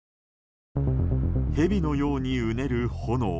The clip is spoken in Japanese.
ヘビのようにうねる炎。